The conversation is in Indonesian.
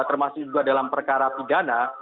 termasuk juga dalam perkara pidana